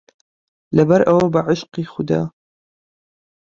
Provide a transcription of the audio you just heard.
لەبەرئەوە بەعشقی خودا